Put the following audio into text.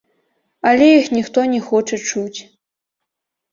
Але іх ніхто не хоча чуць.